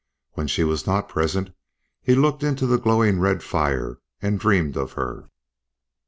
When she was not present he looked into the glowing red fire and dreamed of her.